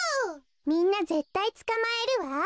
みんなぜったいつかまえるわ。